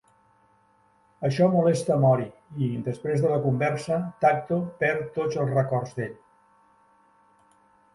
Això molesta Mori i, després de la conversa, Tacto perd tots els records d'ell.